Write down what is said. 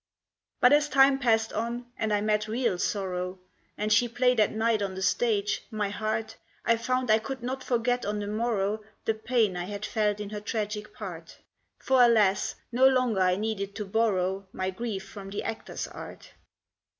But as time passed on, and I met real sorrow, And she played at night on the stage my heart, I found I could not forget on the morrow The pain I had felt in her tragic part. For alas! no longer I needed to borrow My grief from the actor's art.